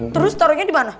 terus taronya dimana